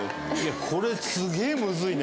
これすげえむずいね。